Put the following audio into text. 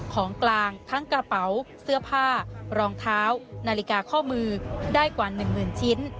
ของกลางทั้งกระเป๋าเสื้อผ้ารองเท้านาฬิกาข้อมือได้กว่า๑หมื่นชิ้น